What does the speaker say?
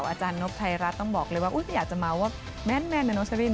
อาจารย์นบไทยรัฐต้องบอกเลยว่าอุ๊ยอยากจะมาว่าแม่นเนี่ยเนอะเชอรี่เนอะ